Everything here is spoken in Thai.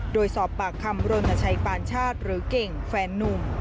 โดยสอบปากคำรณชัยปานชาติหรือเก่งแฟนนุ่ม